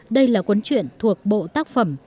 đây là cuốn truyện thuộc bộ tác phẩm